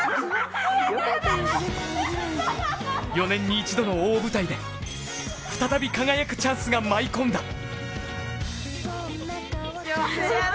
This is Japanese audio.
４年に一度の大舞台で再び輝くチャンスが舞い込んだ！